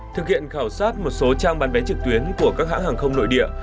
thực hiện khảo sát một số trang bán vé trực tuyến của các hãng hàng không nội địa